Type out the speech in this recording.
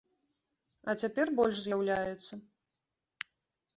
А цяпер больш з'яўляецца.